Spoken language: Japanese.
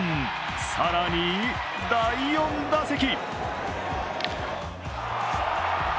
更に第４打席。